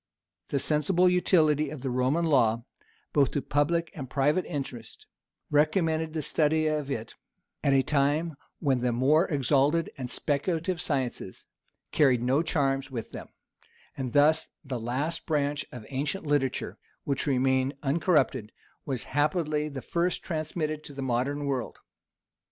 The sensible utility of the Roman law, both to public and private interest, recommended the study of it, at a time when the more exalted and speculative sciences carried no charms with them; and thus the last branch of ancient literature which remained uncorrupted, was happily the first transmitted to the modern world.